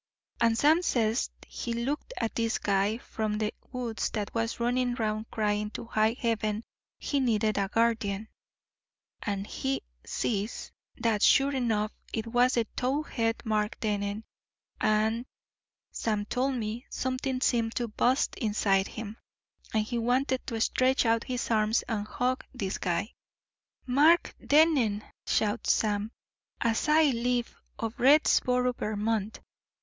And Sam says he looked at this guy from the woods that was running round crying to high heaven he needed a guardian, and he sees that sure enough it was the tow head Mark Dennen and Sam told me something seemed to bust inside him, and he wanted to stretch out his arms and hug this guy. "'Mark Dennen,' shouts Sam, 'as I live. Of Readsboro, Vermont.